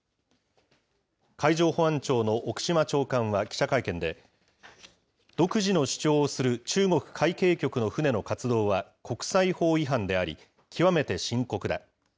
海上保安庁の奥島長官は記者会見で、独自の主張をする中国海警局の船の活動は国際法違反であり、極めて深刻だ。